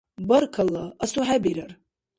Баркалла, асухӀебирар.